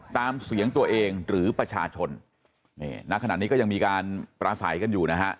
ตามเสียงตัวเองหรือประชาชนนี่ณขณะนี้ก็ยังมีการปราศัยกันอยู่นะฮะ